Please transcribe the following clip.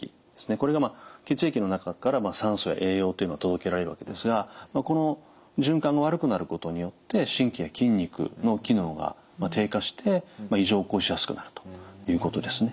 これが血液の中から酸素や栄養というのが届けられるわけですがこの循環が悪くなることによって神経や筋肉の機能が低下して異常を起こしやすくなるということですね。